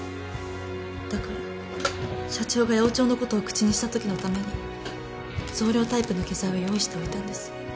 だから社長が八百長の事を口にした時のために増量タイプの下剤を用意しておいたんです。